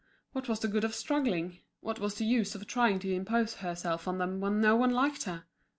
What was the good of struggling? what was the use of trying to impose herself on them when no one liked her?